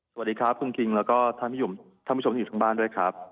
สวัสดีครับคุณคิงแล้วก็ท่านผู้ชมที่อยู่ทางบ้านด้วยครับ